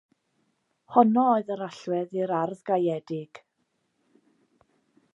Honno oedd yr allwedd i'r ardd gaeedig.